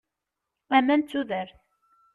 Aman d tudert.